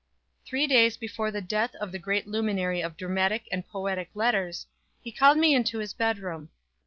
Three days before the death of the great luminary of dramatic and poetic letters, he called me into his bedroom.